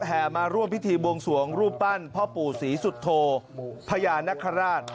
มาร่วมพิธีบวงสวงรูปปั้นพ่อปู่ศรีสุโธพญานคราช